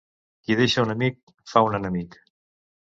Qui deixa un amic fa un enemic.